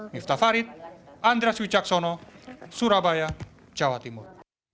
miftah farid andres wicaksono surabaya jawa timur